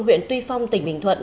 huyện tuy phong tỉnh bình thuận